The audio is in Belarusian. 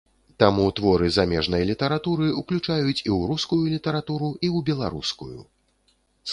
Таму творы замежнай літаратуры уключаюць і ў рускую літаратуру, і ў беларускую.